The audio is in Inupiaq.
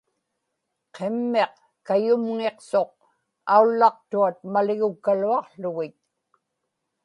qimmiq kayumŋiqsuq aullaqtuat maligukkaluaqługit